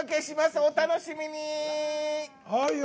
お楽しみに！